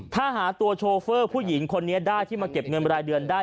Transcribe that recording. ถ้าหาตัวโชเฟอร์ผู้หญิงคนนี้ได้ที่มาเก็บเงินรายเดือนได้